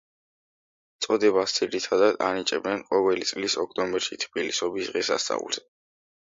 წოდებას ძირითადად ანიჭებენ ყოველი წლის ოქტომბერში „თბილისობის“ დღესასწაულზე.